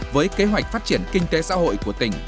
với kế hoạch phát triển kinh tế xã hội của tỉnh